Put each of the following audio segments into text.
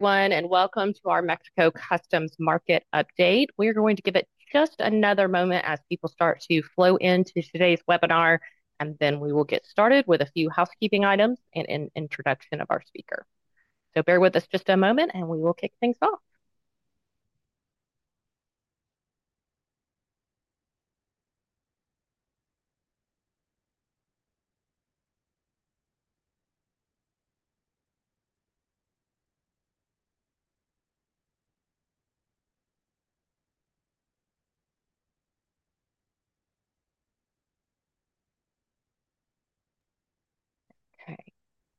One, and welcome to our Mexico Customs Market Update. We are going to give it just another moment as people start to flow into today's webinar, and then we will get started with a few housekeeping items and an introduction of our speaker. Bear with us just a moment, and we will kick things off.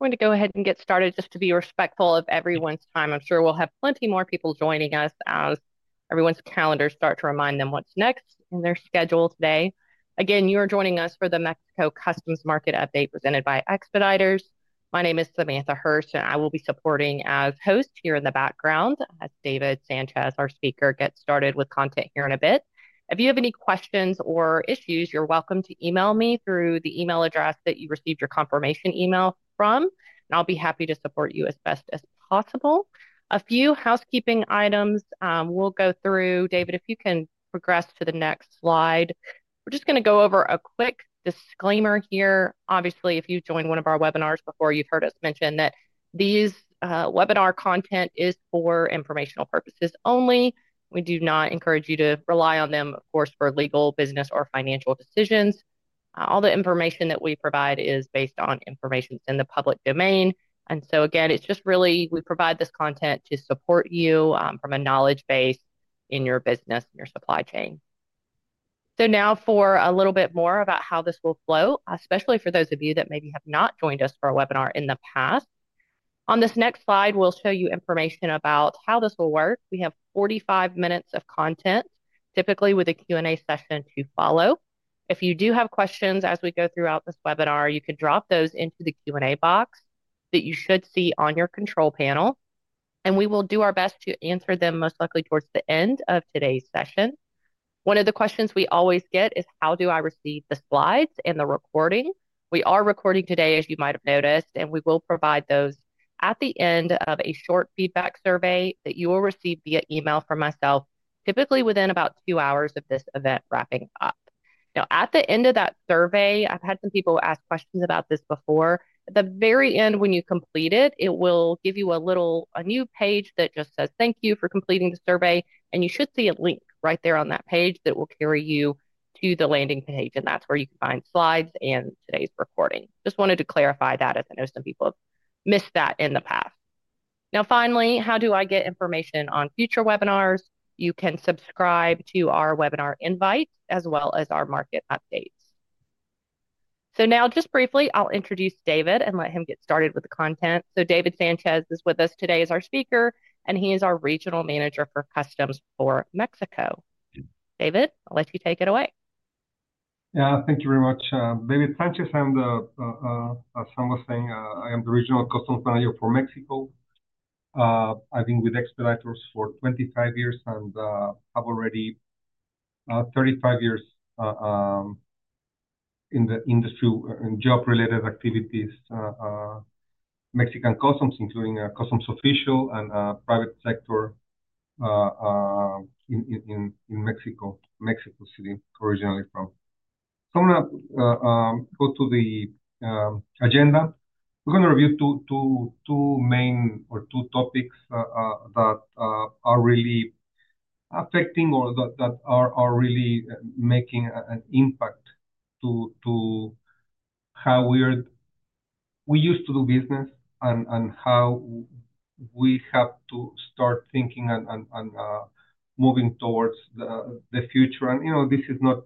Okay, I'm going to go ahead and get started just to be respectful of everyone's time. I'm sure we'll have plenty more people joining us as everyone's calendars start to remind them what's next in their schedule today. Again, you are joining us for the Mexico Customs Market Update presented by Expeditors. My name is Samantha Hirsch, and I will be supporting as host here in the background as David Sanchez, our speaker, gets started with content here in a bit. If you have any questions or issues, you're welcome to email me through the email address that you received your confirmation email from, and I'll be happy to support you as best as possible. A few housekeeping items we'll go through. David, if you can progress to the next slide. We're just going to go over a quick disclaimer here. Obviously, if you joined one of our webinars before, you've heard us mention that this webinar content is for informational purposes only. We do not encourage you to rely on them, of course, for legal, business, or financial decisions. All the information that we provide is based on information in the public domain. It is just really we provide this content to support you from a knowledge base in your business and your supply chain. Now for a little bit more about how this will flow, especially for those of you that maybe have not joined us for a webinar in the past. On this next slide, we'll show you information about how this will work. We have 45 minutes of content, typically with a Q&A session to follow. If you do have questions as we go throughout this webinar, you can drop those into the Q&A box that you should see on your control panel, and we will do our best to answer them most likely towards the end of today's session. One of the questions we always get is, how do I receive the slides and the recording? We are recording today, as you might have noticed, and we will provide those at the end of a short feedback survey that you will receive via email from myself, typically within about two hours of this event wrapping up. Now, at the end of that survey, I've had some people ask questions about this before. At the very end, when you complete it, it will give you a little new page that just says, "Thank you for completing the survey," and you should see a link right there on that page that will carry you to the landing page, and that's where you can find slides and today's recording. Just wanted to clarify that as I know some people have missed that in the past. Now, finally, how do I get information on future webinars? You can subscribe to our webinar invites as well as our market updates. Now, just briefly, I'll introduce David and let him get started with the content. David Sanchez is with us today as our speaker, and he is our regional manager for customs for Mexico. David, I'll let you take it away. Yeah, thank you very much. David Sanchez, I'm the, as some were saying, I am the regional customs manager for Mexico. I've been with Expeditors for 25 years and have already 35 years in the industry and job-related activities, Mexican customs, including customs official and private sector in Mexico. Mexico City, originally from. I am going to go to the agenda. We are going to review two main or two topics that are really affecting or that are really making an impact to how we used to do business and how we have to start thinking and moving towards the future. This is not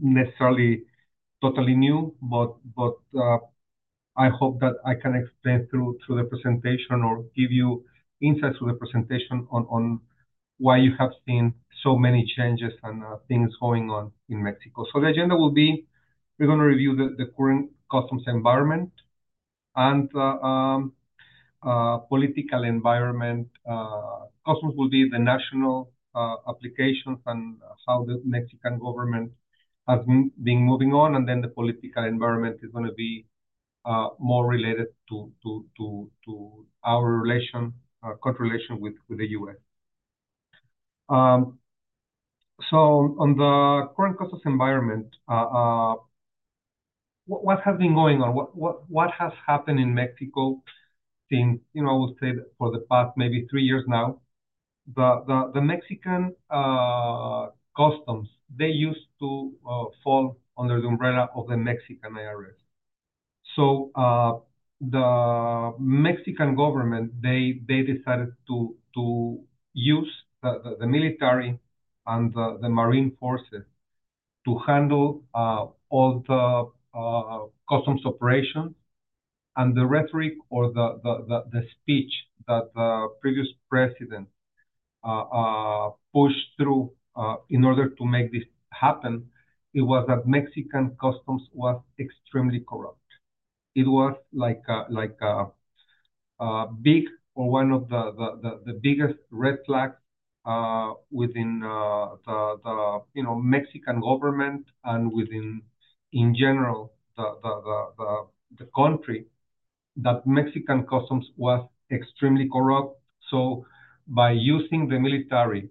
necessarily totally new, but I hope that I can explain through the presentation or give you insights through the presentation on why you have seen so many changes and things going on in Mexico. The agenda will be we're going to review the current customs environment and political environment. Customs will be the national applications and how the Mexican government has been moving on, and then the political environment is going to be more related to our relation, our corporate relation with the U.S. On the current customs environment, what has been going on? What has happened in Mexico since, I would say, for the past maybe three years now? The Mexican customs, they used to fall under the umbrella of the Mexican IRS. The Mexican government, they decided to use the military and the marine forces to handle all the customs operations. The rhetoric or the speech that the previous president pushed through in order to make this happen, it was that Mexican customs was extremely corrupt. It was like a big or one of the biggest red flags within the Mexican government and within, in general, the country, that Mexican customs was extremely corrupt. By using the military,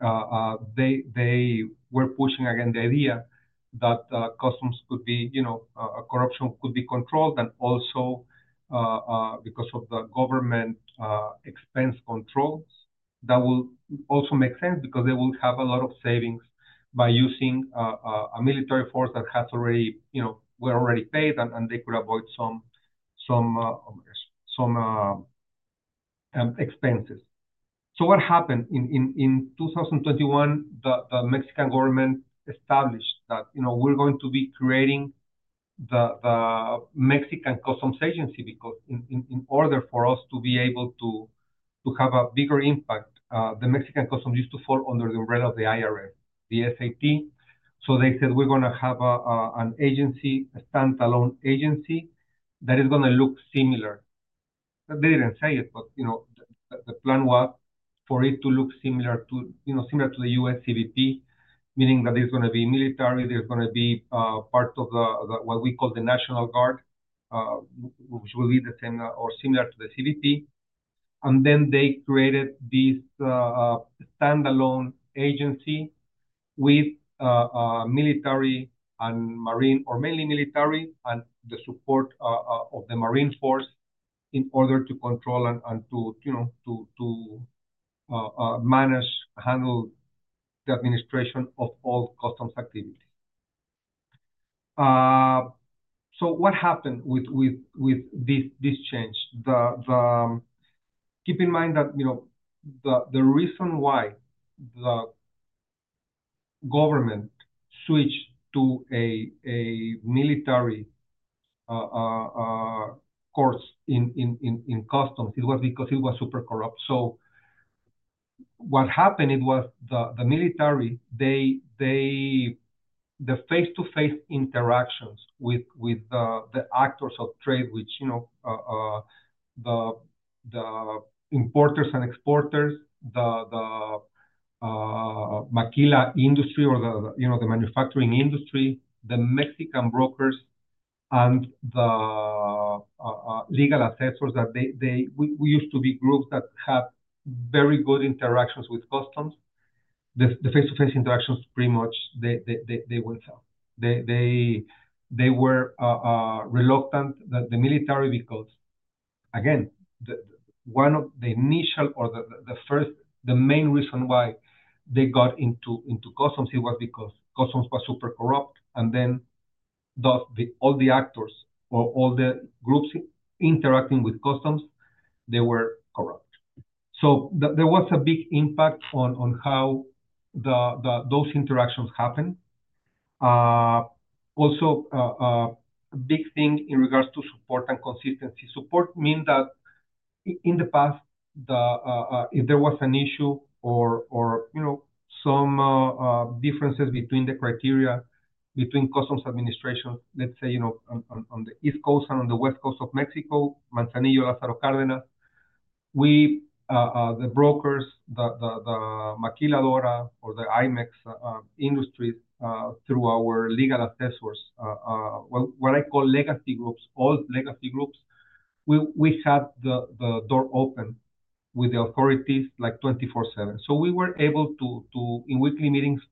they were pushing against the idea that customs could be, you know, corruption could be controlled. Also, because of the government expense controls, that will also make sense because they will have a lot of savings by using a military force that has already, you know, were already paid, and they could avoid some, oh my gosh, some expenses. What happened in 2021, the Mexican government established that, you know, we're going to be creating the Mexican Customs Agency because in order for us to be able to have a bigger impact, the Mexican customs used to fall under the umbrella of the IRS, the SAT. They said, "We're going to have an agency, a standalone agency that is going to look similar." They didn't say it, but, you know, the plan was for it to look similar to, you know, similar to the U.S. CBP, meaning that there's going to be military, there's going to be part of what we call the National Guard, which will be the same or similar to the CBP. They created this standalone agency with military and marine, or mainly military, and the support of the marine force in order to control and to, you know, to manage, handle the administration of all customs activities. What happened with this change? Keep in mind that, you know, the reason why the government switched to a military course in customs was because it was super corrupt. What happened was the military, the face-to-face interactions with the actors of trade, which, you know, the importers and exporters, the Maquila industry or the, you know, the manufacturing industry, the Mexican brokers, and the legal assessors that used to be groups that had very good interactions with customs. The face-to-face interactions, pretty much they went south. They were reluctant, the military, because, again, one of the initial or the first, the main reason why they got into customs was because customs was super corrupt. And then all the actors or all the groups interacting with customs, they were corrupt. There was a big impact on how those interactions happened. Also, a big thing in regards to support and consistency. Support means that in the past, if there was an issue or, you know, some differences between the criteria between customs administrations, let's say, you know, on the East Coast and on the West Coast of Mexico, Manzanillo, Lázaro Cárdenas, we, the brokers, the maquiladora or the IMEX industries through our legal assessors, what I call legacy groups, old legacy groups, we had the door open with the authorities like 24/7. We were able to, in weekly meetings,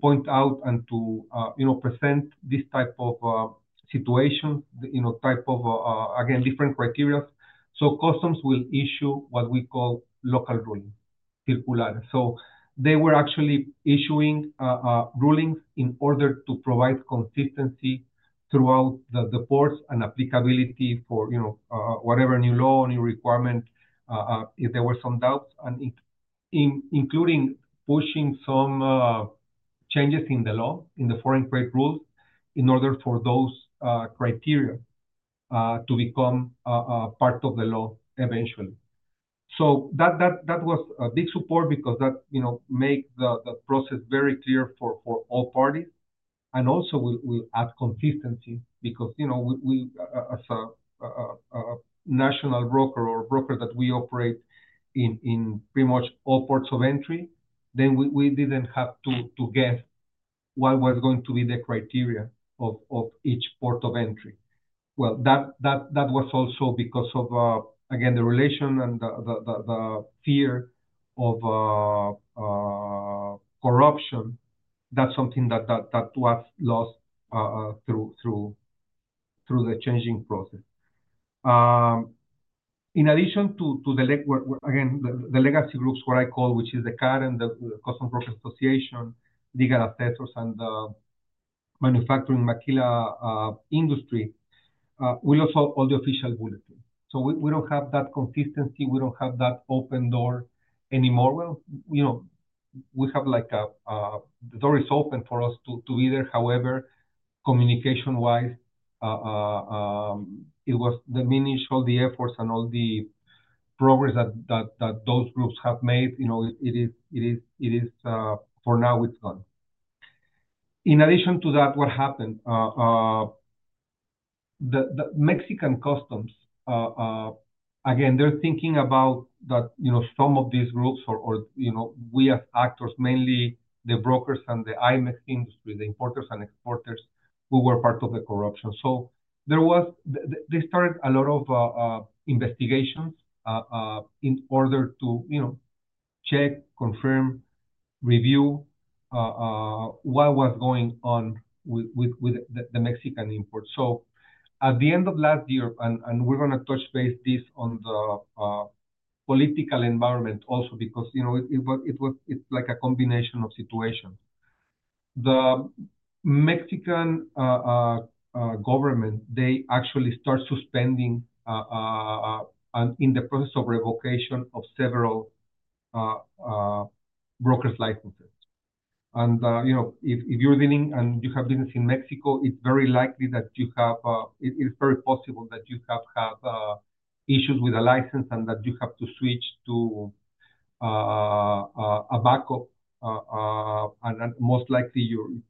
point out and to, you know, present this type of situation, you know, type of, again, different criteria. Customs will issue what we call local ruling, circular. They were actually issuing rulings in order to provide consistency throughout the ports and applicability for, you know, whatever new law, new requirement, if there were some doubts, including pushing some changes in the law, in the foreign trade rules, in order for those criteria to become part of the law eventually. That was a big support because that, you know, made the process very clear for all parties. Also, we add consistency because, you know, as a national broker or broker that we operate in pretty much all ports of entry, then we did not have to guess what was going to be the criteria of each port of entry. That was also because of, again, the relation and the fear of corruption. That is something that was lost through the changing process. In addition to the, again, the legacy groups, what I call, which is the CAR and the Customs Brokers Association, legal assessors and the manufacturing Maquila industry, we also have all the official bulletin. So we do not have that consistency. We do not have that open door anymore. You know, we have like a door is open for us to be there. However, communication-wise, it was diminished, all the efforts and all the progress that those groups have made, you know, it is for now it is gone. In addition to that, what happened? The Mexican customs, again, they are thinking about that, you know, some of these groups or, you know, we as actors, mainly the brokers and the IMEX industry, the importers and exporters, who were part of the corruption. They started a lot of investigations in order to, you know, check, confirm, review what was going on with the Mexican imports. At the end of last year, and we're going to touch base on this in the political environment also because, you know, it's like a combination of situations. The Mexican government, they actually start suspending and in the process of revocation of several brokers' licenses. You know, if you're dealing and you have business in Mexico, it's very likely that you have, it's very possible that you have had issues with a license and that you have to switch to a backup. Most likely, it's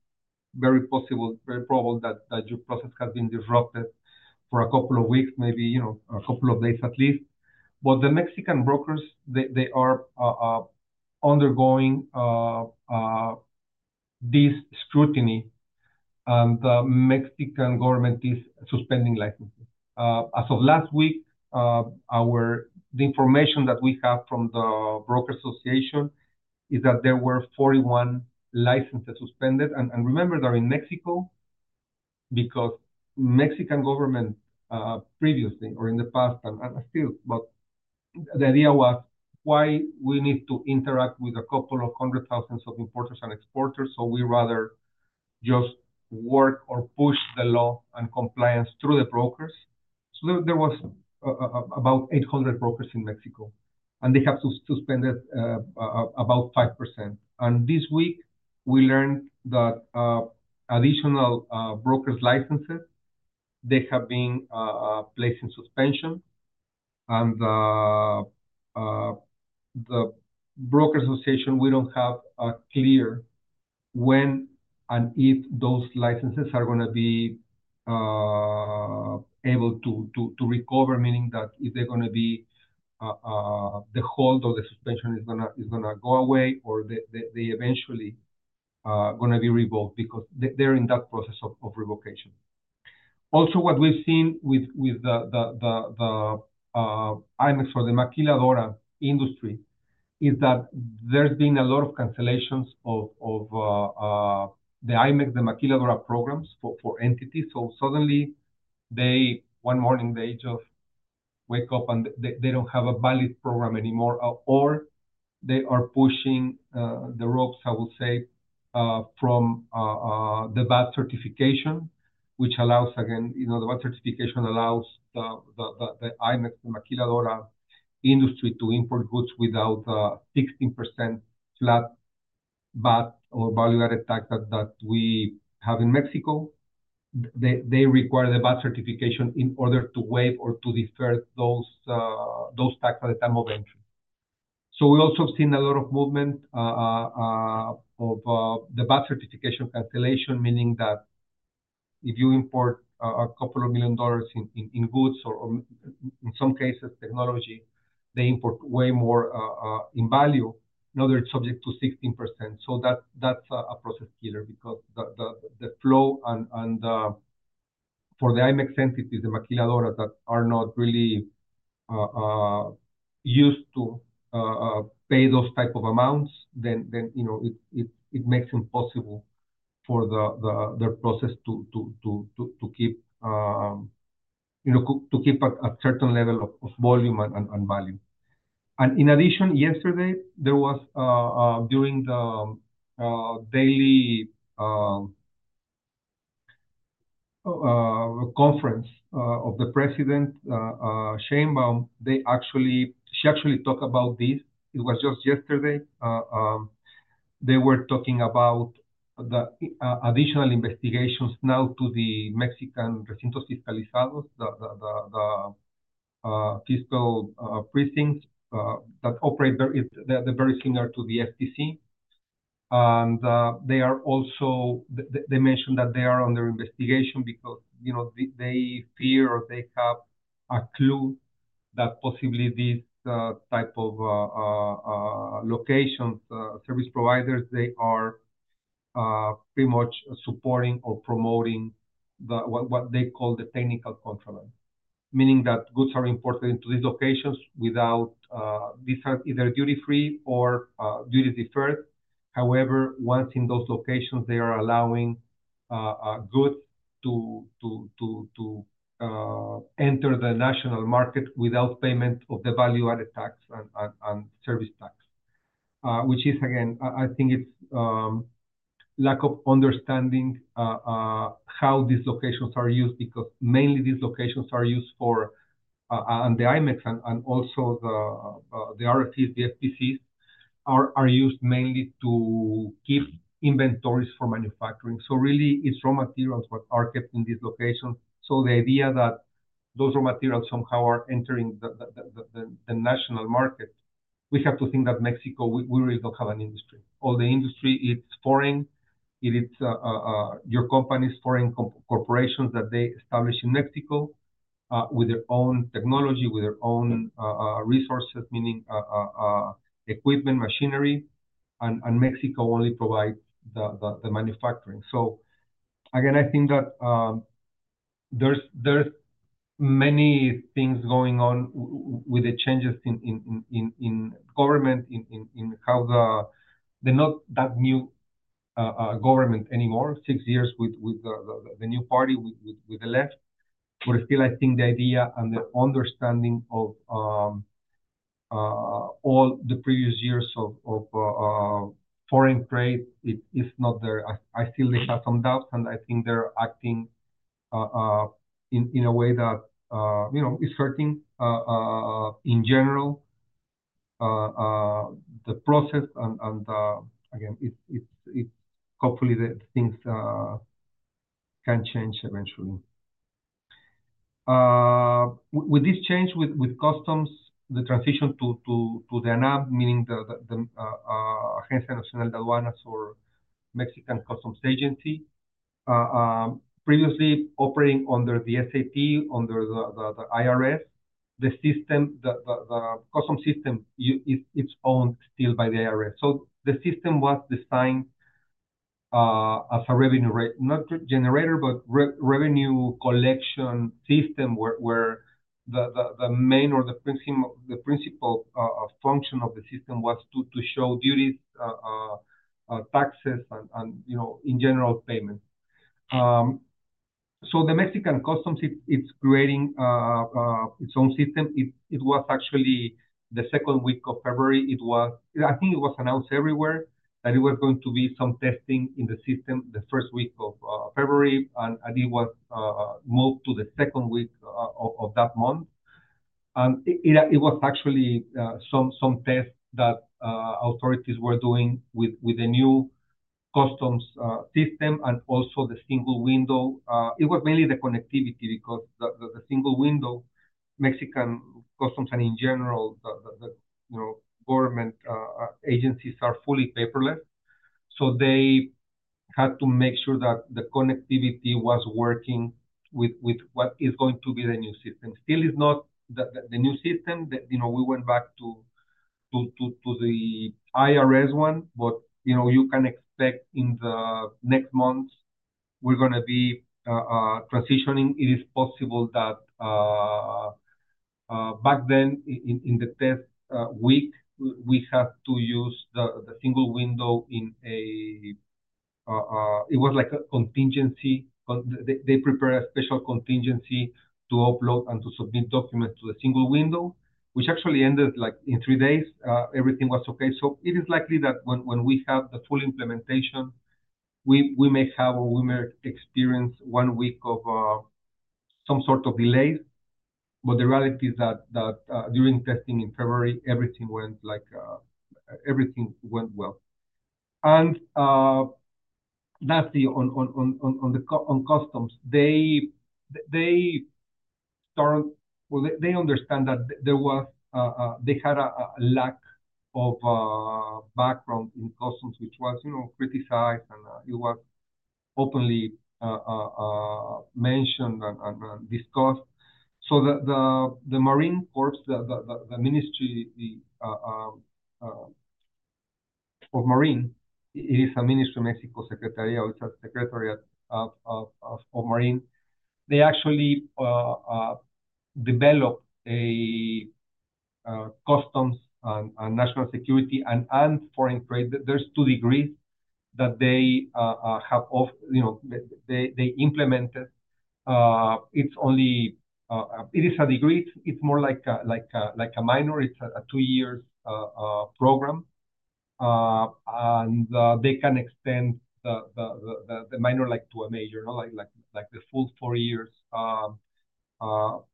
very possible, very probable that your process has been disrupted for a couple of weeks, maybe, you know, a couple of days at least. The Mexican brokers, they are undergoing this scrutiny and the Mexican government is suspending licenses. As of last week, the information that we have from the Brokers Association is that there were 41 licenses suspended. Remember, they're in Mexico because the Mexican government previously or in the past, and still, but the idea was, why do we need to interact with a couple of hundred thousands of importers and exporters? We rather just work or push the law and compliance through the brokers. There were about 800 brokers in Mexico, and they have suspended about 5%. This week, we learned that additional brokers' licenses have been placed in suspension. The Brokers Association, we don't have a clear when and if those licenses are going to be able to recover, meaning that if they're going to be, the hold or the suspension is going to go away or they're eventually going to be revoked because they're in that process of revocation. Also, what we've seen with the IMMEX or the maquiladora industry is that there's been a lot of cancellations of the IMMEX, the maquiladora programs for entities. Suddenly, they, one morning, they just wake up and they don't have a valid program anymore, or they are pushing the ropes, I would say, from the VAT certification, which allows, again, you know, the VAT certification allows the IMMEX, the maquiladora industry to import goods without a 16% flat VAT or value-added tax that we have in Mexico. They require the VAT certification in order to waive or to defer those taxes at the time of entry. We also have seen a lot of movement of the VAT certification cancellation, meaning that if you import a couple of million dollars in goods or in some cases technology, they import way more in value, now they're subject to 16%. That's a process killer because the flow and for the IMMEX entities, the maquiladora that are not really used to pay those types of amounts, you know, it makes impossible for their process to keep, you know, to keep a certain level of volume and value. In addition, yesterday, during the daily conference of the president, Sheinbaum, she actually talked about this. It was just yesterday. They were talking about the additional investigations now to the Mexican Recintos Fiscalizados, the fiscal precincts that operate very similar to the FTC. They mentioned that they are under investigation because, you know, they fear or they have a clue that possibly these types of locations, service providers, they are pretty much supporting or promoting what they call the technical contraband, meaning that goods are imported into these locations without, these are either duty-free or duty-deferred. However, once in those locations, they are allowing goods to enter the national market without payment of the value-added tax and service tax, which is, again, I think it's lack of understanding how these locations are used because mainly these locations are used for, and the IMEX and also the RFCs, the FTCs are used mainly to keep inventories for manufacturing. It is raw materials that are kept in these locations. The idea that those raw materials somehow are entering the national market, we have to think that Mexico, we really do not have an industry. All the industry is foreign. It is your companies, foreign corporations that establish in Mexico with their own technology, with their own resources, meaning equipment, machinery, and Mexico only provides the manufacturing. I think that there are many things going on with the changes in government, in how they are not that new government anymore, six years with the new party, with the left. I think the idea and the understanding of all the previous years of foreign trade is not there. I still have some doubts, and I think they are acting in a way that, you know, is hurting in general the process. It is hopefully that things can change eventually. With this change with customs, the transition to the ANAM, meaning the Agencia Nacional de Aduanas de México or Mexican Customs Agency, previously operating under the SAT, under the IRS, the system, the customs system is owned still by the IRS. The system was designed as a revenue generator, a revenue collection system where the main or the principal function of the system was to show duties, taxes, and, you know, in general, payments. The Mexican customs is creating its own system. It was actually the second week of February. I think it was announced everywhere that it was going to be some testing in the system the first week of February, and it was moved to the second week of that month. It was actually some tests that authorities were doing with the new customs system and also the single window. It was mainly the connectivity because the single window, Mexican customs and in general, the government agencies are fully paperless. They had to make sure that the connectivity was working with what is going to be the new system. Still, it is not the new system that, you know, we went back to the IRS one, but, you know, you can expect in the next months, we are going to be transitioning. It is possible that back then in the test week, we had to use the single window in a, it was like a contingency. They prepared a special contingency to upload and to submit documents to the single window, which actually ended in three days. Everything was okay. It is likely that when we have the full implementation, we may have or we may experience one week of some sort of delays. The reality is that during testing in February, everything went well. Lastly, on customs, they understand that they had a lack of background in customs, which was, you know, criticized and it was openly mentioned and discussed. The Marine Corps, the Ministry of Marine, it is a Ministry of Mexico, Secretaría, it's a Secretary of Marine. They actually developed a customs and national security and foreign trade. There are two degrees that they have, you know, they implemented. It is only a degree. It's more like a minor. It's a two-year program. They can extend the minor to a major, like the full four-year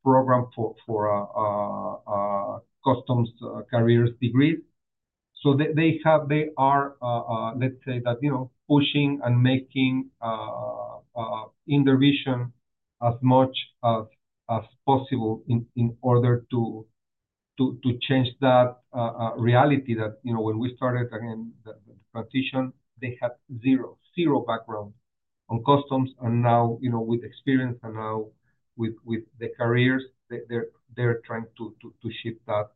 program for customs careers degrees. They are, let's say that, you know, pushing and making intervention as much as possible in order to change that reality that, you know, when we started, again, the transition, they had zero, zero background on customs. And now, you know, with experience and now with the careers, they're trying to shift that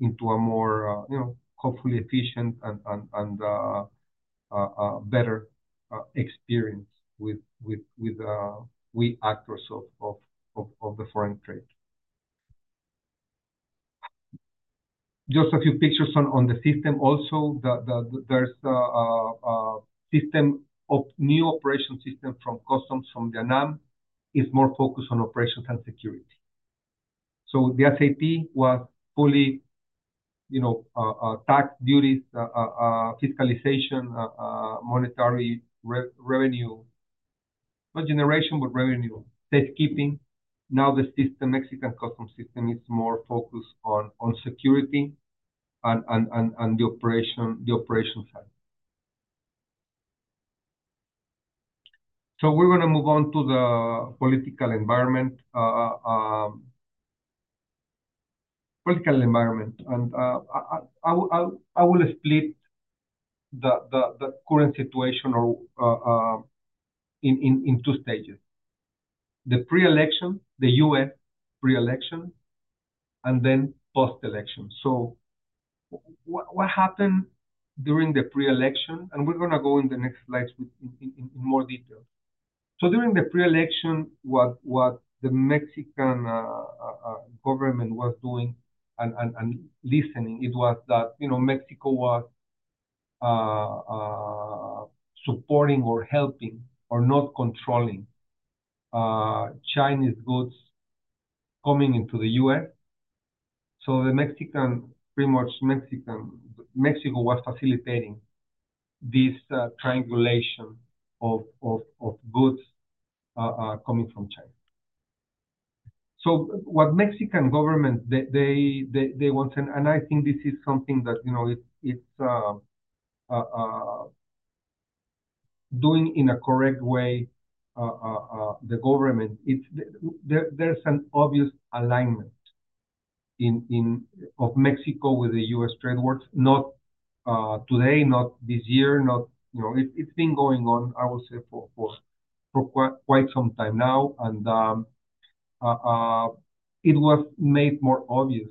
into a more, you know, hopefully efficient and better experience with we actors of the foreign trade. Just a few pictures on the system also, there's a system of new operation system from customs from the ANAM is more focused on operations and security. The SAT was fully, you know, tax duties, fiscalization, monetary revenue, not generation, but revenue, safekeeping. Now the system, Mexican customs system is more focused on security and the operation side. We're going to move on to the political environment. Political environment. I will split the current situation in two stages: the pre-election, the U.S. pre-election, and then post-election. What happened during the pre-election, and we are going to go in the next slides in more detail. During the pre-election, what the Mexican government was doing and listening, it was that, you know, Mexico was supporting or helping or not controlling Chinese goods coming into the U.S. Pretty much, Mexico was facilitating this triangulation of goods coming from China. What the Mexican government, they want to, and I think this is something that, you know, it is doing in a correct way, the government, there is an obvious alignment of Mexico with the U.S. trade works, not today, not this year, not, you know, it has been going on, I will say, for quite some time now. It was made more obvious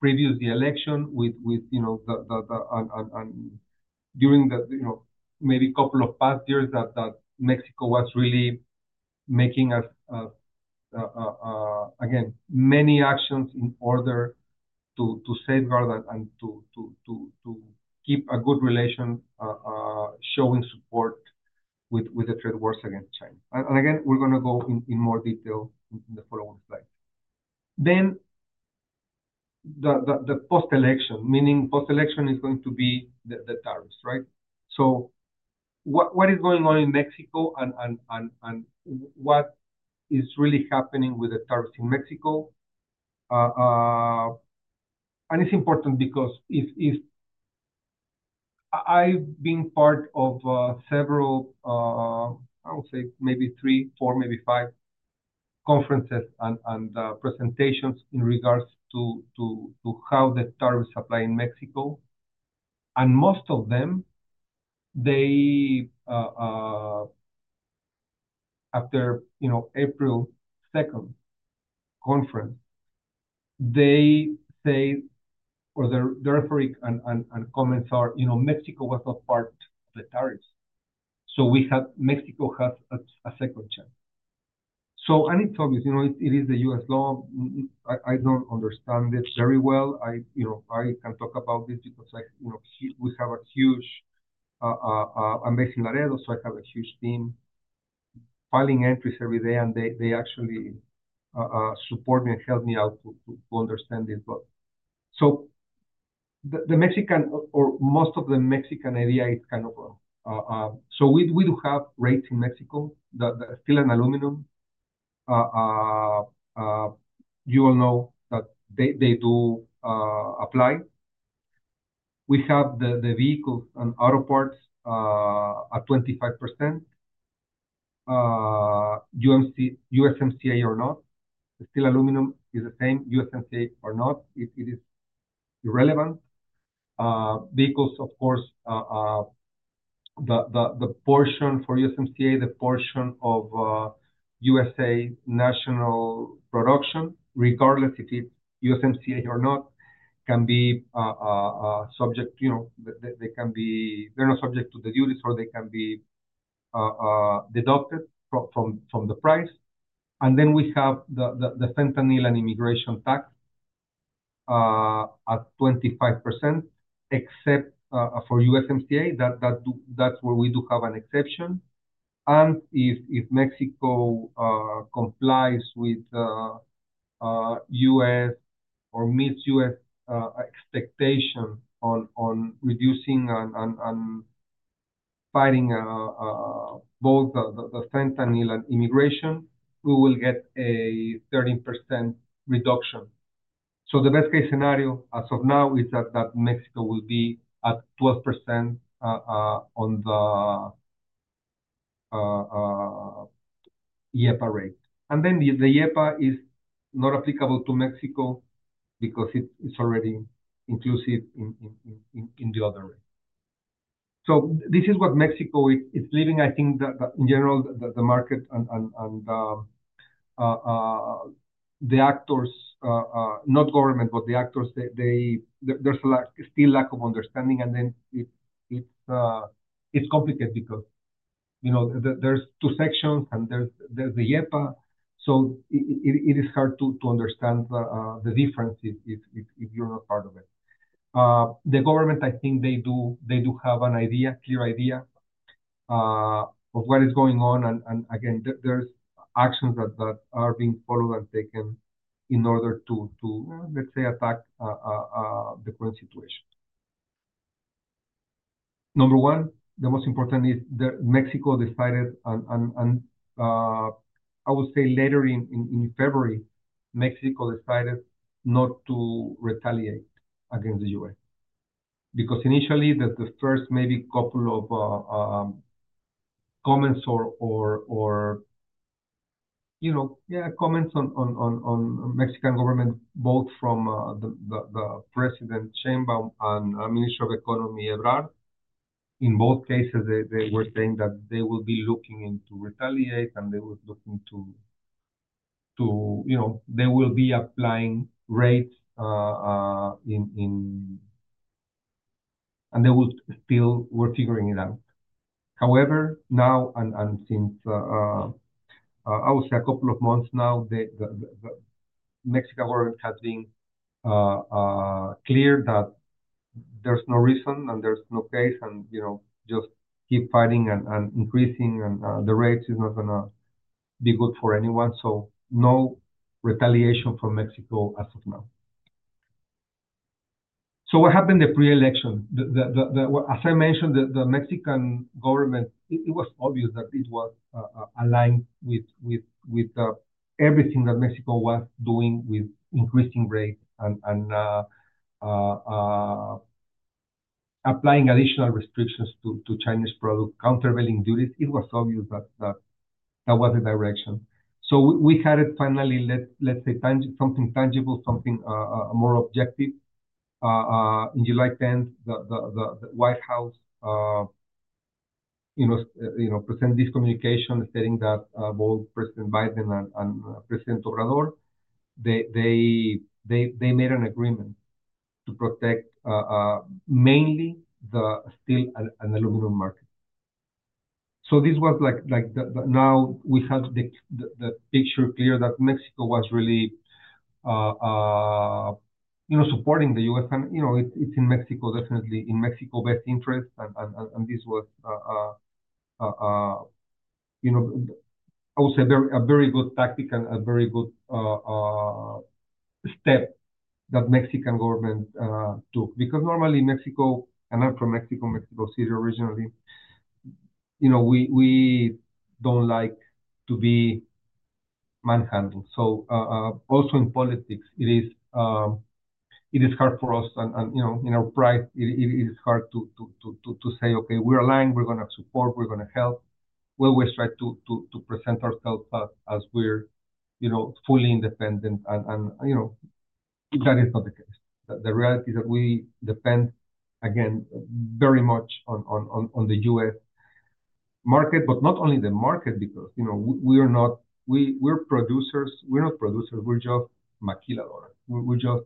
previously, election with, you know, during the, you know, maybe a couple of past years that Mexico was really making us, again, many actions in order to safeguard and to keep a good relation, showing support with the trade works against China. You know, we're going to go in more detail in the following slide. The post-election, meaning post-election is going to be the tariffs, right? What is going on in Mexico and what is really happening with the tariffs in Mexico? It's important because I've been part of several, I would say maybe three, four, maybe five conferences and presentations in regards to how the tariffs apply in Mexico. Most of them, after, you know, April 2nd conference, they say, or the rhetoric and comments are, you know, Mexico was not part of the tariffs. Mexico has a second chance. It is obvious, you know, it is the U.S. law. I do not understand it very well. I, you know, I can talk about this because, you know, we have a huge, amazing Laredo, so I have a huge team filing entries every day, and they actually support me and help me out to understand this. The Mexican, or most of the Mexican area, is kind of wrong. We do have rates in Mexico that are still in aluminum. You all know that they do apply. We have the vehicles and auto parts at 25%. USMCA or not, still aluminum is the same. USMCA or not, it is irrelevant. Vehicles, of course, the portion for USMCA, the portion of U.S. national production, regardless if it's USMCA or not, can be subject, you know, they can be, they're not subject to the duties or they can be deducted from the price. Then we have the fentanyl and immigration tax at 25%, except for USMCA, that's where we do have an exception. If Mexico complies with U.S. or meets U.S. expectations on reducing and fighting both the fentanyl and immigration, we will get a 30% reduction. The best case scenario as of now is that Mexico will be at 12% on the IEPA rate. The IEPA is not applicable to Mexico because it's already inclusive in the other rate. This is what Mexico is leaving. I think that in general, the market and the actors, not government, but the actors, there's still lack of understanding. It is complicated because, you know, there are two sections and there is the IEPA. It is hard to understand the difference if you are not part of it. The government, I think they do have a clear idea of what is going on. Again, there are actions that are being followed and taken in order to, let's say, attack the current situation. Number one, the most important is that Mexico decided, and I will say later in February, Mexico decided not to retaliate against the U.S. Because initially, the first maybe couple of comments or, you know, comments on Mexican government, both from the President, Sheinbaum, and Minister of Economy, Ebrard, in both cases, they were saying that they will be looking into retaliating and they were looking to, you know, they will be applying rates in, and they will still, we are figuring it out. However, now, and since I would say a couple of months now, the Mexican government has been clear that there's no reason and there's no case and, you know, just keep fighting and increasing and the rates is not going to be good for anyone. No retaliation from Mexico as of now. What happened in the pre-election? As I mentioned, the Mexican government, it was obvious that it was aligned with everything that Mexico was doing with increasing rates and applying additional restrictions to Chinese product, countervailing duties. It was obvious that that was the direction. We had it finally, let's say something tangible, something more objective. On July 10th, the White House, you know, presented this communication stating that both President Biden and President López Obrador, they made an agreement to protect mainly the steel and aluminum market. This was like, now we have the picture clear that Mexico was really, you know, supporting the U.S. and, you know, it's in Mexico, definitely in Mexico best interest. This was, you know, I would say a very good tactic and a very good step that Mexican government took. Because normally Mexico, and I'm from Mexico, Mexico City originally, you know, we don't like to be manhandled. Also in politics, it is hard for us and, you know, in our pride, it is hard to say, okay, we're aligned, we're going to support, we're going to help. We'll try to present ourselves as we're, you know, fully independent and, you know, that is not the case. The reality is that we depend, again, very much on the U.S. market, but not only the market because, you know, we are not, we're producers, we're not producers, we're just maquiladoras. We're just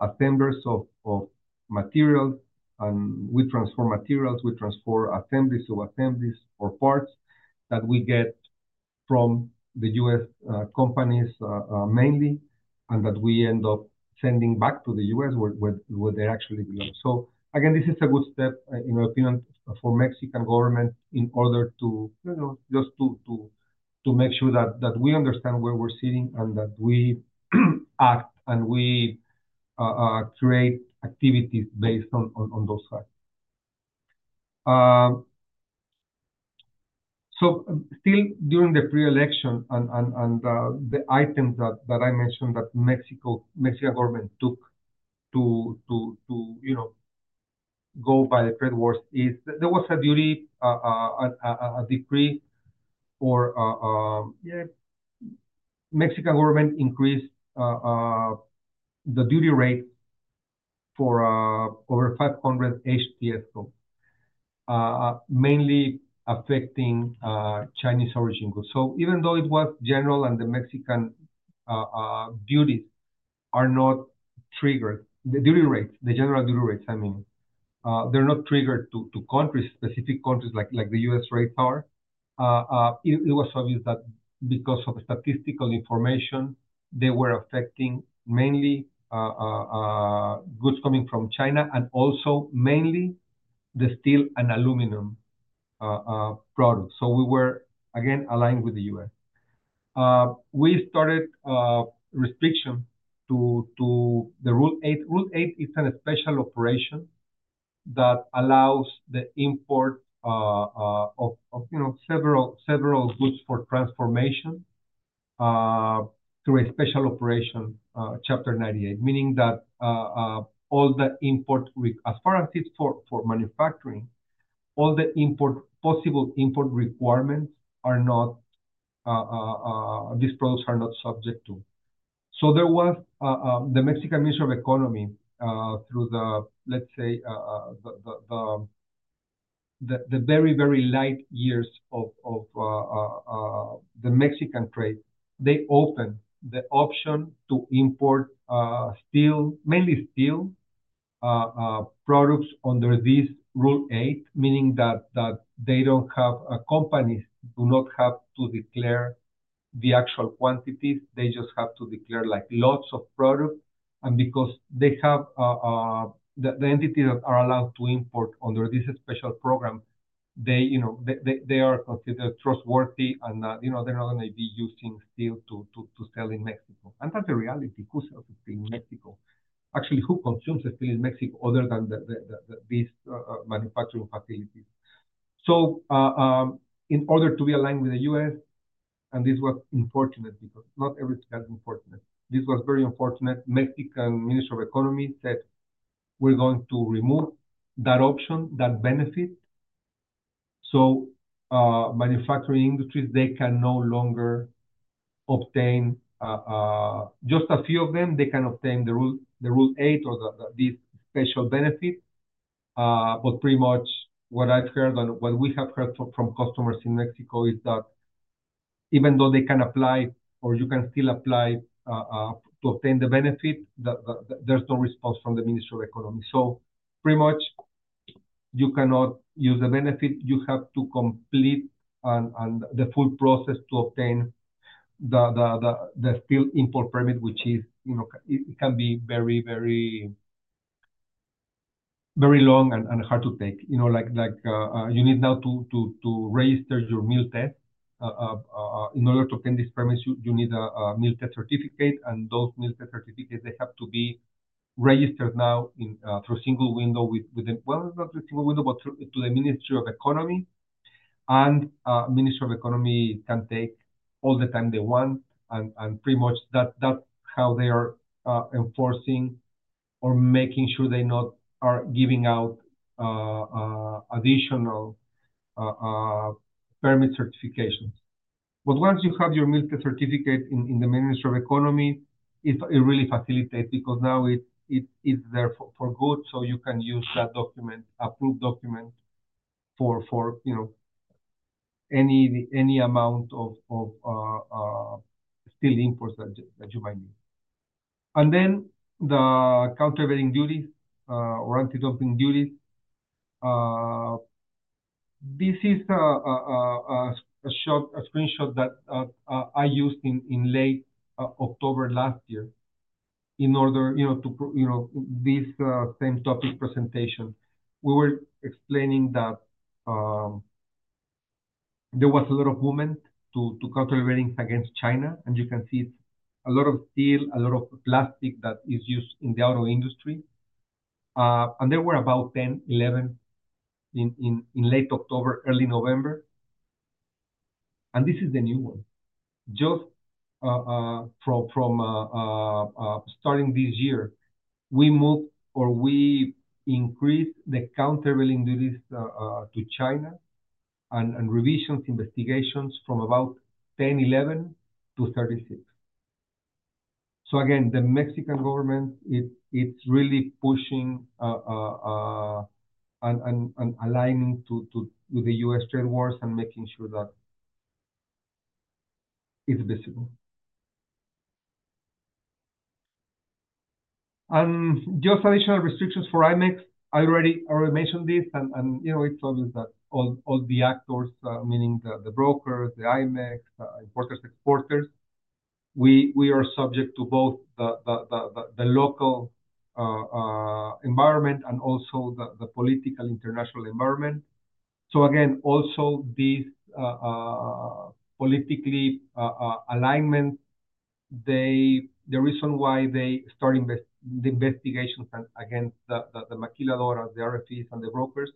assemblers of materials and we transform materials, we transform assemblies of assemblies or parts that we get from the U.S. companies mainly and that we end up sending back to the U.S. where they actually belong. This is a good step in my opinion for Mexican government in order to, you know, just to make sure that we understand where we're sitting and that we act and we create activities based on those facts. Still during the pre-election and the items that I mentioned that Mexican government took to, you know, go by the trade works is there was a duty, a decree or Mexican government increased the duty rate for over 500 HTS goals, mainly affecting Chinese origin goods. Even though it was general and the Mexican duties are not triggered, the duty rates, the general duty rates, I mean, they're not triggered to specific countries like the U.S. rates are. It was obvious that because of statistical information, they were affecting mainly goods coming from China and also mainly the steel and aluminum products. We were again aligned with the U.S. We started restriction to the Rule 8. Rule 8 is a special operation that allows the import of, you know, several goods for transformation through a special operation chapter 98, meaning that all the import, as far as it's for manufacturing, all the possible import requirements are not, these products are not subject to. There was the Mexican Ministry of Economy through the, let's say, the very, very light years of the Mexican trade, they opened the option to import steel, mainly steel products under this Rule 8, meaning that they don't have companies who do not have to declare the actual quantities. They just have to declare like lots of products. Because they have the entities that are allowed to import under this special program, they, you know, they are considered trustworthy and, you know, they're not going to be using steel to sell in Mexico. That's the reality. Who sells steel in Mexico? Actually, who consumes steel in Mexico other than these manufacturing facilities? In order to be aligned with the U.S., and this was unfortunate because not everything is unfortunate. This was very unfortunate. Mexican Ministry of Economy said, we're going to remove that option, that benefit. Manufacturing industries, they can no longer obtain, just a few of them, they can obtain the Rule 8 or this special benefit. Pretty much what I've heard and what we have heard from customers in Mexico is that even though they can apply or you can still apply to obtain the benefit, there's no response from the Ministry of Economy. Pretty much you cannot use the benefit. You have to complete the full process to obtain the steel import permit, which is, you know, it can be very, very, very long and hard to take. You know, like you need now to register your mill test. In order to obtain these permits, you need a mill test certificate. And those mill test certificates, they have to be registered now through a single window with, you know, not a single window, but to the Ministry of Economy. The Ministry of Economy can take all the time they want. Pretty much that's how they are enforcing or making sure they are giving out additional permit certifications. Once you have your Mill Test Certificate in the Ministry of Economy, it really facilitates because now it's there for good. You can use that document, approved document for, you know, any amount of steel imports that you might need. Then the countervailing duties or antidumping duties. This is a screenshot that I used in late October last year in order, you know, to, you know, this same topic presentation. We were explaining that there was a lot of movement to countervailing against China. You can see it's a lot of steel, a lot of plastic that is used in the auto industry. There were about 10, 11 in late October, early November. This is the new one. Just from starting this year, we moved or we increased the countervailing duties to China and revisions, investigations from about 10, 11 to 36. The Mexican government, it's really pushing and aligning with the U.S. trade wars and making sure that it's visible. Just additional restrictions for IMEX. I already mentioned this and, you know, it's obvious that all the actors, meaning the brokers, the IMMEX, importers, exporters, we are subject to both the local environment and also the political international environment. Also, this political alignment, the reason why they started the investigations against the maquiladoras, the RFEs and the brokers,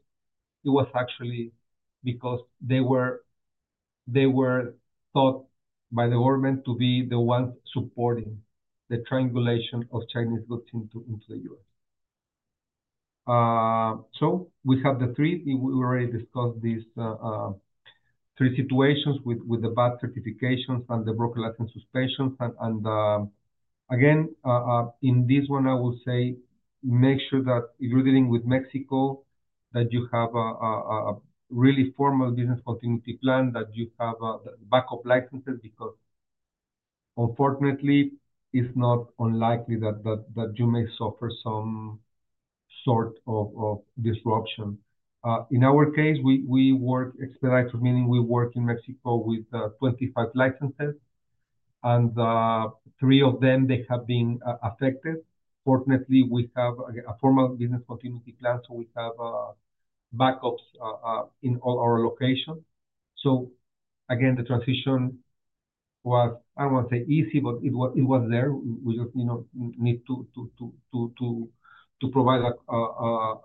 it was actually because they were thought by the government to be the ones supporting the triangulation of Chinese goods into the U.S. We have the three, we already discussed these three situations with the bad certifications and the broker license suspensions. In this one, I will say, make sure that if you're dealing with Mexico, that you have a really formal business continuity plan, that you have backup licenses because unfortunately, it's not unlikely that you may suffer some sort of disruption. In our case, we work Expeditors, meaning we work in Mexico with 25 licenses and three of them, they have been affected. Fortunately, we have a formal business continuity plan, so we have backups in all our locations. Again, the transition was, I do not want to say easy, but it was there. We just, you know, need to provide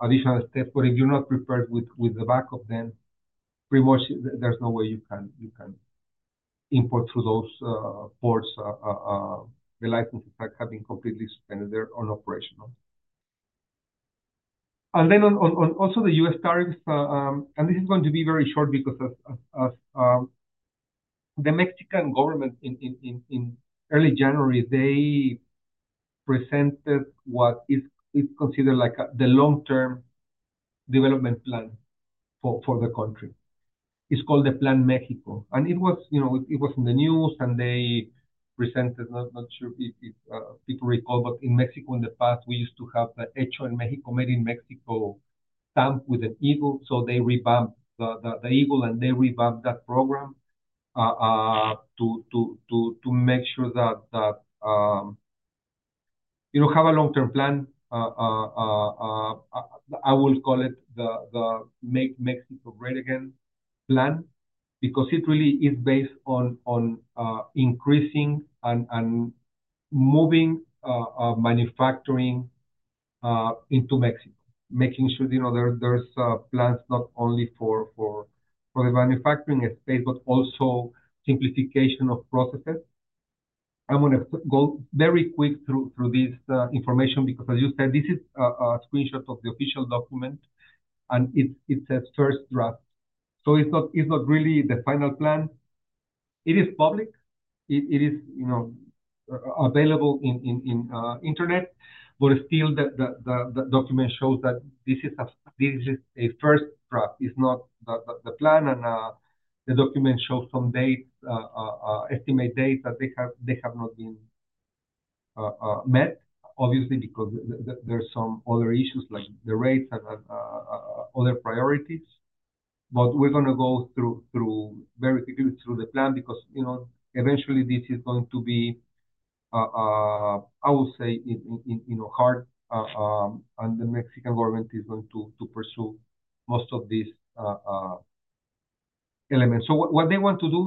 additional steps. If you are not prepared with the backup, then pretty much there is no way you can import through those ports. The licenses have been completely suspended. They are unoperational. Also, the U.S. tariffs, and this is going to be very short because the Mexican government in early January, they presented what is considered like the long-term development plan for the country. It is called the Plan México. It was in the news and they presented, not sure if people recall, but in Mexico in the past, we used to have the Hecho en México made in Mexico stamp with an eagle. They revamped the eagle and they revamped that program to make sure that, you know, have a long-term plan. I will call it the Mexico-Brigham plan because it really is based on increasing and moving manufacturing into Mexico, making sure, you know, there's plans not only for the manufacturing space, but also simplification of processes. I'm going to go very quick through this information because, as you said, this is a screenshot of the official document and it says first draft. It is not really the final plan. It is public. It is, you know, available on the internet, but still the document shows that this is a first draft. It's not the plan and the document shows some dates, estimate dates that they have not been met, obviously, because there's some other issues like the rates and other priorities. We're going to go through very quickly through the plan because, you know, eventually this is going to be, I will say, you know, hard and the Mexican government is going to pursue most of these elements. What they want to do,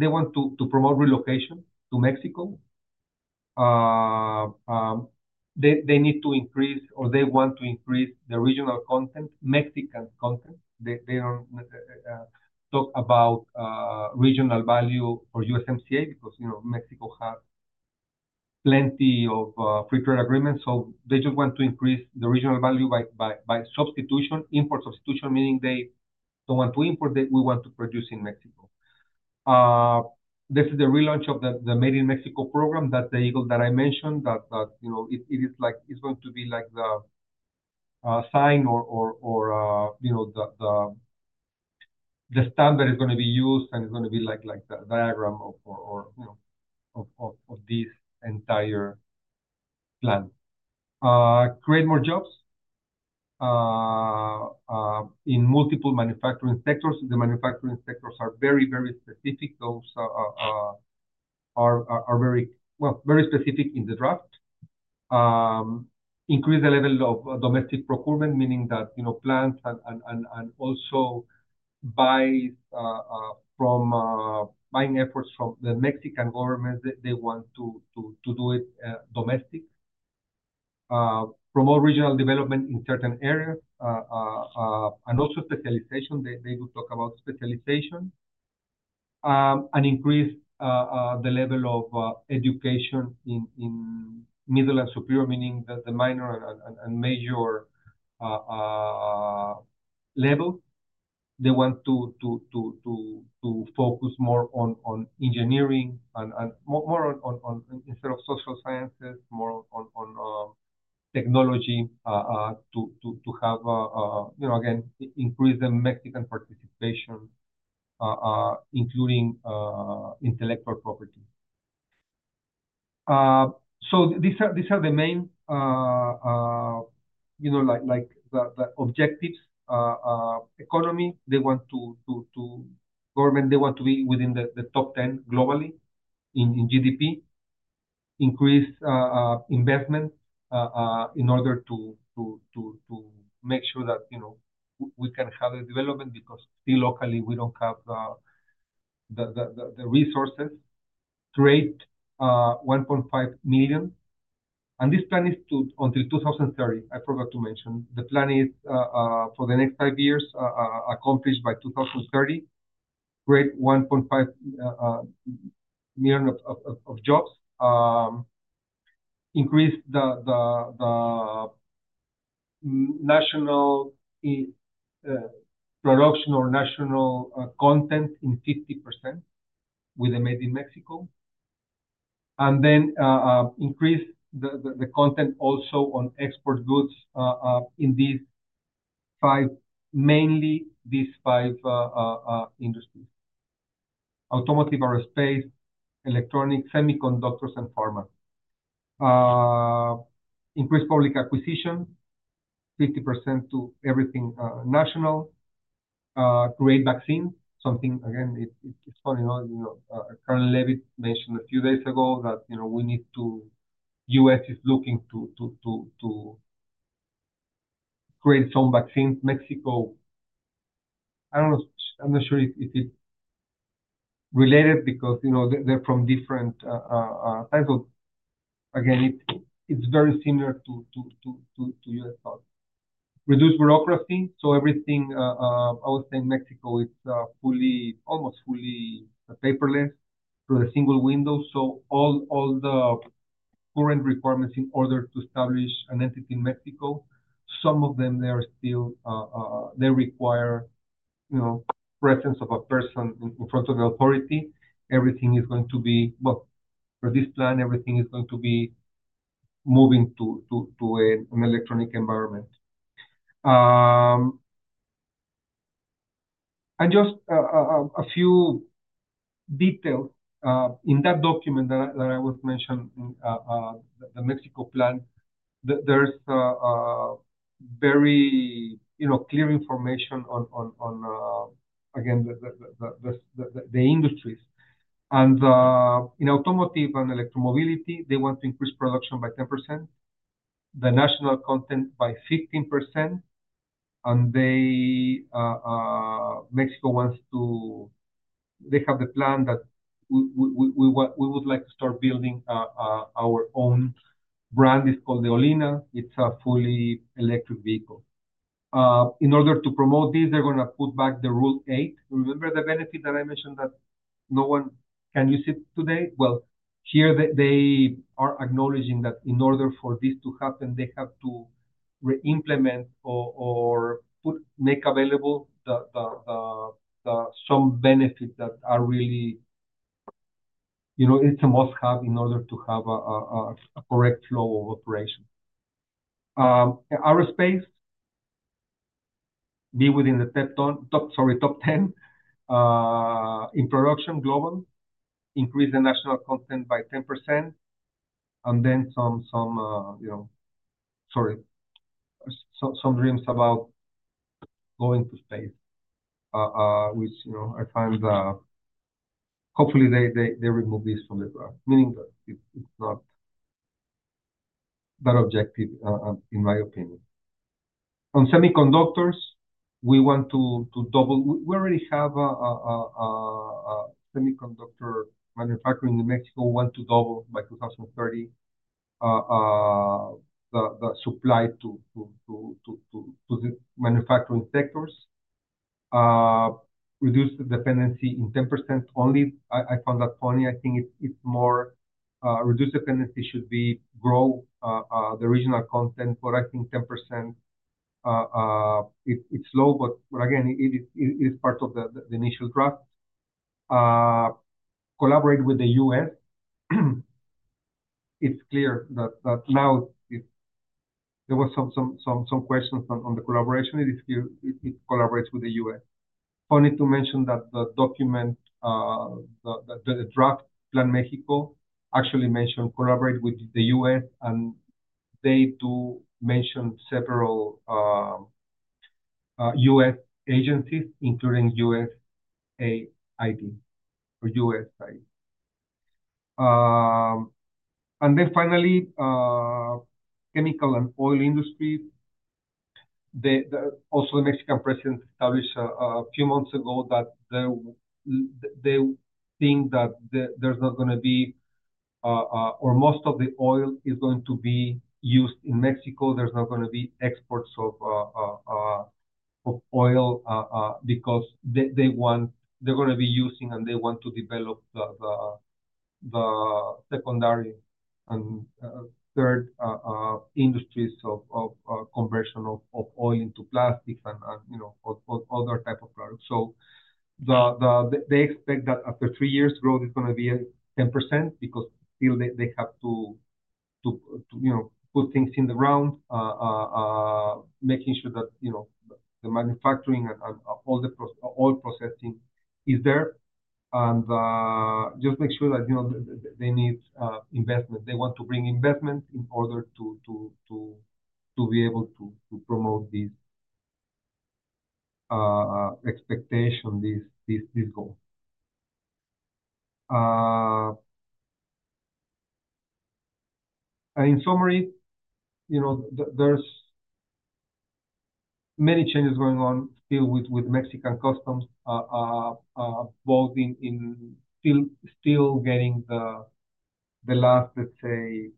they want to promote relocation to Mexico. They need to increase or they want to increase the regional content, Mexican content. They don't talk about regional value for USMCA because, you know, Mexico has plenty of free trade agreements. They just want to increase the regional value by substitution, import substitution, meaning they don't want to import. We want to produce in Mexico. This is the relaunch of the Made in Mexico program, that the eagle that I mentioned, that, you know, it is like, it's going to be like the sign or, you know, the standard is going to be used and it's going to be like the diagram or, you know, of this entire plan. Create more jobs in multiple manufacturing sectors. The manufacturing sectors are very, very specific. Those are very, well, very specific in the draft. Increase the level of domestic procurement, meaning that, you know, plants and also buy from buying efforts from the Mexican government. They want to do it domestic. Promote regional development in certain areas and also specialization. They do talk about specialization and increase the level of education in middle and superior, meaning the minor and major level. They want to focus more on engineering and more instead of social sciences, more on technology to have, you know, again, increase the Mexican participation, including intellectual property. These are the main, you know, like the objectives, economy. They want to, government, they want to be within the top 10 globally in GDP. Increase investment in order to make sure that, you know, we can have the development because still locally we do not have the resources. Create 1.5 million. This plan is to until 2030. I forgot to mention the plan is for the next five years accomplished by 2030. Create 1.5 million of jobs. Increase the national production or national content in 50% with the Made in Mexico. Increase the content also on export goods in these five, mainly these five industries: automotive, aerospace, electronics, semiconductors, and pharma. Increase public acquisition, 50% to everything national. Create vaccines. Something, again, it's funny, you know, Colonel Levitt mentioned a few days ago that, you know, we need to, U.S. is looking to create some vaccines. Mexico, I don't know, I'm not sure if it's related because, you know, they're from different types. Again, it's very similar to U.S. policy. Reduce bureaucracy. Everything, I would say in Mexico, it's fully, almost fully paperless through a single window. All the current requirements in order to establish an entity in Mexico, some of them, they are still, they require, you know, presence of a person in front of the authority. Everything is going to be, for this plan, everything is going to be moving to an electronic environment. Just a few details in that document that I was mentioning, the Mexico plan, there's very, you know, clear information on, again, the industries. In automotive and electromobility, they want to increase production by 10%, the national content by 15%. Mexico wants to, they have the plan that we would like to start building our own brand. It's called the Ollin. It's a fully electric vehicle. In order to promote this, they're going to put back the Rule 8. Remember the benefit that I mentioned that no one can use it today? Here they are acknowledging that in order for this to happen, they have to re-implement or make available some benefits that are really, you know, it's a must-have in order to have a correct flow of operation. Aerospace, be within the top, sorry, top 10 in production global, increase the national content by 10%. Some dreams about going to space, which, you know, I find hopefully they remove this from the draft, meaning that it's not that objective in my opinion. On semiconductors, we want to double, we already have a semiconductor manufacturer in Mexico, want to double by 2030 the supply to the manufacturing sectors. Reduce the dependency in 10% only. I found that funny. I think it's more reduced dependency should be grow the regional content, but I think 10% is low, but again, it is part of the initial draft. Collaborate with the U.S. It's clear that now there were some questions on the collaboration. It collaborates with the U.S. Funny to mention that the document, the draft Plan México, actually mentioned collaborate with the U.S. and they do mention several U.S. agencies, including USAID or USAID. Finally, chemical and oil industries. Also, the Mexican president established a few months ago that they think that there's not going to be, or most of the oil is going to be used in Mexico. There's not going to be exports of oil because they want, they're going to be using and they want to develop the secondary and third industries of conversion of oil into plastics and, you know, other types of products. They expect that after three years, growth is going to be 10% because still they have to, you know, put things in the ground, making sure that, you know, the manufacturing and all processing is there. Just make sure that, you know, they need investment. They want to bring investment in order to be able to promote this expectation, this goal. In summary, you know, there's many changes going on still with Mexican customs, both in still getting the last, let's say,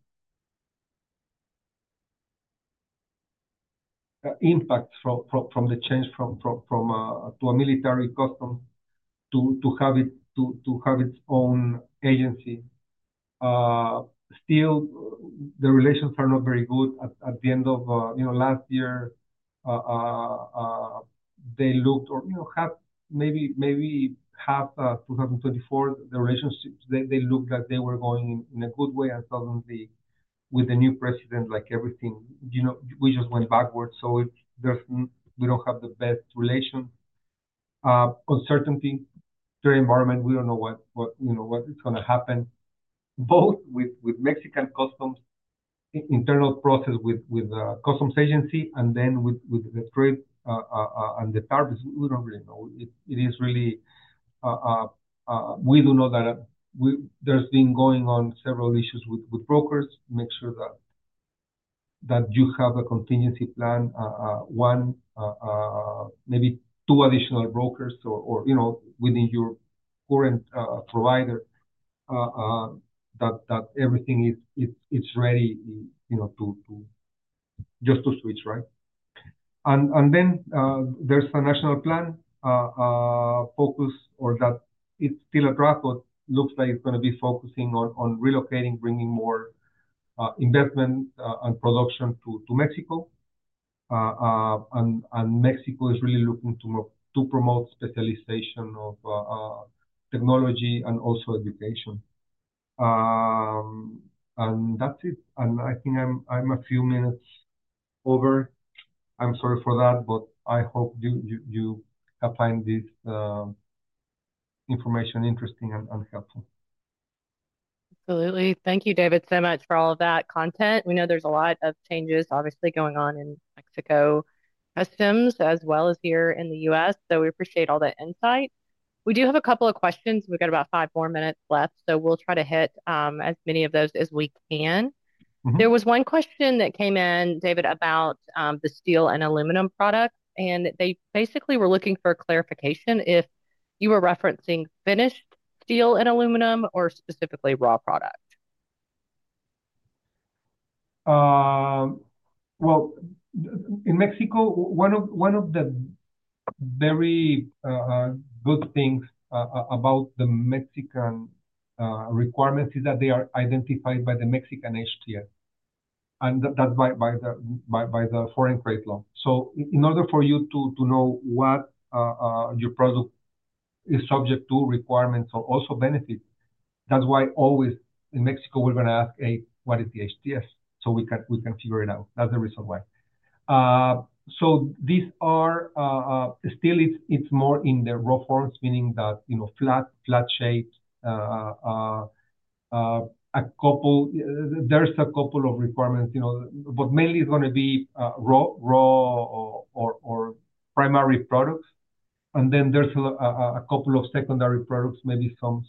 impact from the change from a military custom to have its own agency. Still, the relations are not very good. At the end of, you know, last year, they looked or, you know, maybe half 2024, the relationships, they looked like they were going in a good way. Suddenly, with the new president, like everything, you know, we just went backwards. We don't have the best relations. Uncertainty, the environment, we don't know what's going to happen, both with Mexican customs, internal process with the customs agency, and then with the trade and the tariffs. We don't really know. It is really, we do know that there's been going on several issues with brokers. Make sure that you have a contingency plan, one, maybe two additional brokers or, you know, within your current provider that everything is ready, you know, just to switch, right? There is a national plan focus or that it's still a draft, but looks like it's going to be focusing on relocating, bringing more investment and production to Mexico. Mexico is really looking to promote specialization of technology and also education. That's it. I think I'm a few minutes over. I'm sorry for that, but I hope you have found this information interesting and helpful. Absolutely. Thank you, David, so much for all of that content. We know there's a lot of changes, obviously, going on in Mexico customs as well as here in the U.S. We appreciate all the insight. We do have a couple of questions. We've got about five more minutes left. We'll try to hit as many of those as we can. There was one question that came in, David, about the steel and aluminum products. They basically were looking for clarification if you were referencing finished steel and aluminum or specifically raw product. In Mexico, one of the very good things about the Mexican requirements is that they are identified by the Mexican HTS. That's by the foreign trade law. In order for you to know what your product is subject to, requirements, or also benefits, that's why always in Mexico, we're going to ask, hey, what is the HTS? So we can figure it out. That's the reason why. These are still, it's more in the raw forms, meaning that, you know, flat, flat shape. There's a couple of requirements, you know, but mainly it's going to be raw or primary products. There is a couple of secondary products, maybe some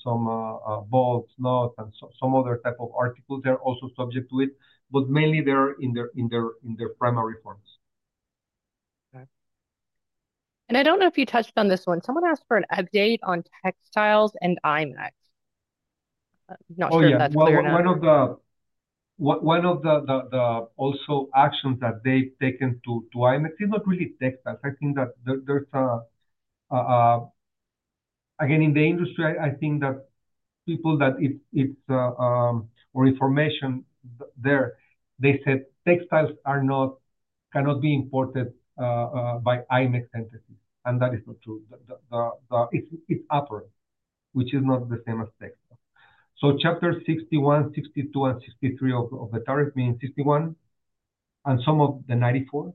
bolts, nuts, and some other type of articles. They are also subject to it, but mainly they are in their primary forms. Okay. I do not know if you touched on this one. Someone asked for an update on textiles and IMEX. I am not sure if that is clear enough. One of the also actions that they have taken to IMEX is not really textiles. I think that there is a, again, in the industry, I think that people that it is or information there, they said textiles cannot be imported by IMEX entities. That is not true. It is upper it, which is not the same as textiles. Chapter 61, 62, and 63 of the tariff means 61 and some of the 94.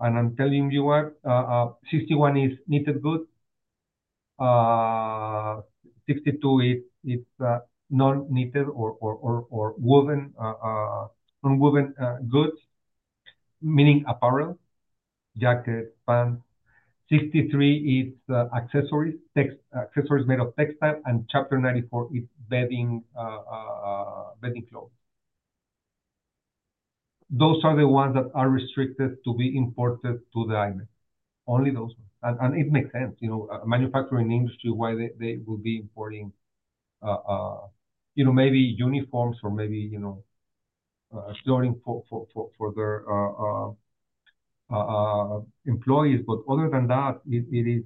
I am telling you what, 61 is knitted goods. 62 is non-knitted or woven, non-woven goods, meaning apparel, jackets, pants. 63 is accessories, accessories made of textile. Chapter 94 is bedding clothes. Those are the ones that are restricted to be imported to the IMEX. Only those ones. It makes sense, you know, manufacturing industry, why they will be importing, you know, maybe uniforms or maybe, you know, clothing for their employees. Other than that, those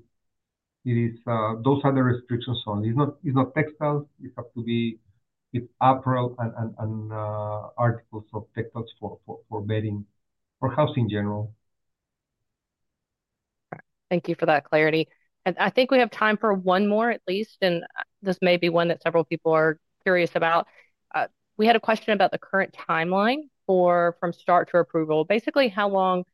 are the restrictions on. It's not textiles. It has to be with apparel and articles of textiles for bedding or house in general. Thank you for that clarity. I think we have time for one more at least. This may be one that several people are curious about. We had a question about the current timeline for from start to approval. Basically, how long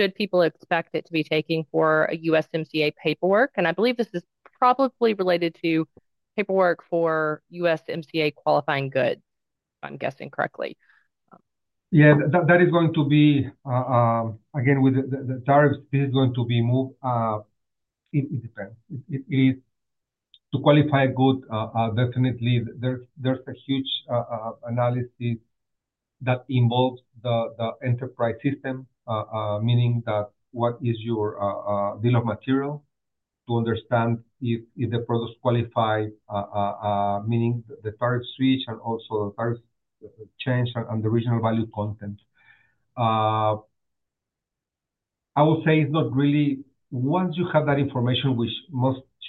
should people expect it to be taking for a USMCA paperwork? I believe this is probably related to paperwork for USMCA qualifying goods, if I'm guessing correctly. Yeah, that is going to be, again, with the tariffs, this is going to be moved. It depends. To qualify a good, definitely, there's a huge analysis that involves the enterprise system, meaning that what is your bill of material to understand if the product qualifies, meaning the tariff switch and also the tariff change and the original value content. I will say it's not really, once you have that information, which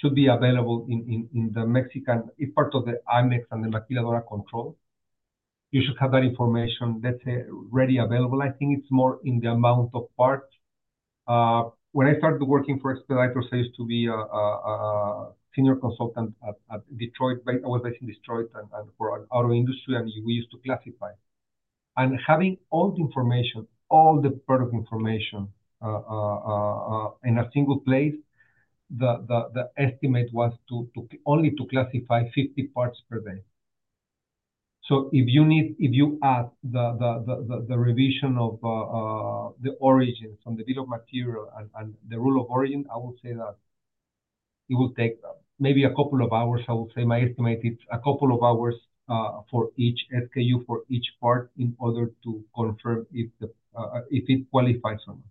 should be available in the Mexican, it's part of the IMEX and the Maquiladora control. You should have that information, let's say, ready available. I think it's more in the amount of parts. When I started working for Expeditors, I used to be a senior consultant at Detroit. I was based in Detroit and for our industry, and we used to classify. Having all the information, all the product information in a single place, the estimate was only to classify 50 parts per day. If you add the revision of the origins and the bill of material and the rule of origin, I will say that it will take maybe a couple of hours. I will say my estimate is a couple of hours for each SKU, for each part in order to confirm if it qualifies or not.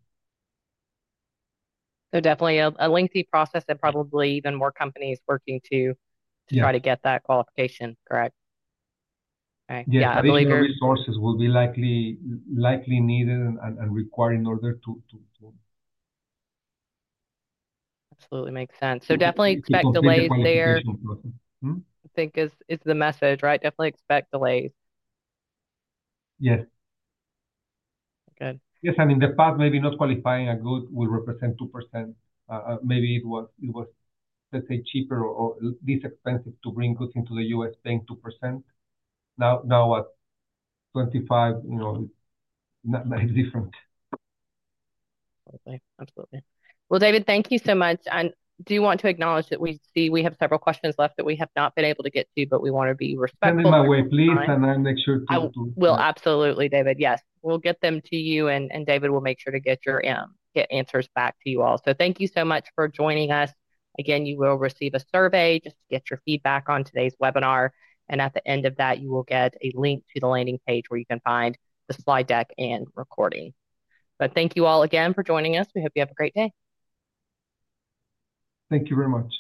Definitely a lengthy process and probably even more companies working to try to get that qualification, correct? Yeah, I believe it. Resources will be likely needed and required in order to. Absolutely makes sense. Definitely expect delays there. I think is the message, right? Definitely expect delays. Yes. Yes, and in the past, maybe not qualifying a good will represents 2%. Maybe it was, let's say, cheaper or less expensive to bring goods into the U.S., paying 2%. Now at 25%, you know, it's different. Absolutely. David, thank you so much. I do want to acknowledge that we see we have several questions left that we have not been able to get to, but we want to be respectful. Send them my way, please, and I'll make sure to. I will absolutely, David. Yes. We'll get them to you, and David will make sure to get your answers back to you all. Thank you so much for joining us. Again, you will receive a survey just to get your feedback on today's webinar. At the end of that, you will get a link to the landing page where you can find the slide deck and recording. Thank you all again for joining us. We hope you have a great day. Thank you very much.